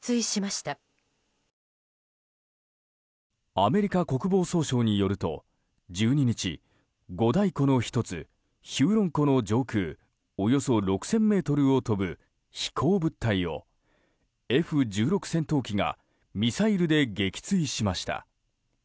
アメリカ国防総省によると１２日五大湖の１つヒューロン湖の上空およそ６０００ｍを飛ぶ飛行物体をＦ１６戦闘機がミサイルで撃墜しました。